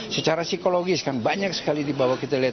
secara psikologis kan banyak sekali dibawa kita lihat